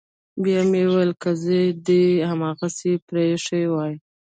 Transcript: بيا مې وويل که زه دې هماغسې پريښى واى.